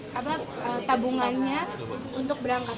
jadi tabungannya untuk berangkat